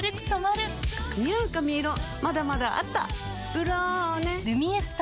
「ブローネ」「ルミエスト」